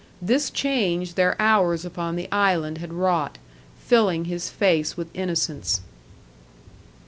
This change their hours upon the island had wrought, filling his face with innocence.